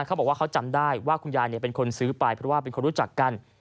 เขาบอกว่าเขาจำได้ว่าคุณยายเป็นคนซื้อไปเพราะว่าเป็นคนรู้จักกัน